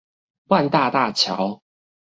萬大大橋